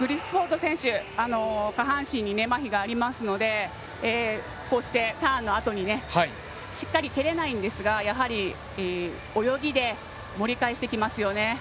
グリスウォード選手下半身にまひがありますのでターンのあとにしっかり蹴れないんですがやはり、泳ぎで盛り返してきますよね。